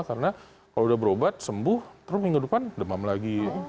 karena kalau sudah berobat sembuh terus minggu depan demam lagi